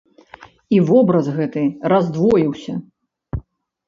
І вобраз гэты раздвоіўся.